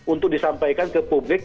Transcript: untuk disampaikan ke publik